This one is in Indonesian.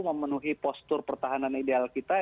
memenuhi postur pertahanan ideal kita